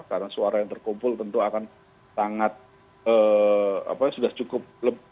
karena suara yang terkumpul tentu akan sangat sudah cukup